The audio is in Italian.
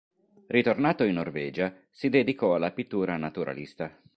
Ritornato in Norvegia, si dedicò alla pittura naturalista.